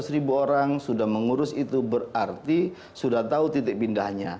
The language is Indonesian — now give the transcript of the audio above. lima belas ribu orang sudah mengurus itu berarti sudah tahu titik pindahnya